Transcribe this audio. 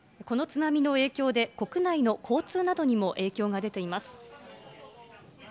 この津波の影響で、国内の交通などにも影響が出ています。